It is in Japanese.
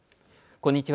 こんにちは。